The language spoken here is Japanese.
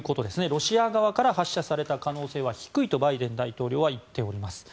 ロシア側から発射された可能性は低いとバイデン大統領は言っています。